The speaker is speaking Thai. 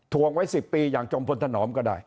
วงไว้๑๐ปีอย่างจมพลถนอมก็ได้